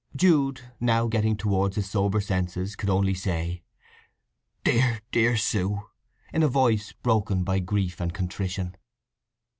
Jude, now getting towards his sober senses, could only say, "Dear, dear Sue!" in a voice broken by grief and contrition.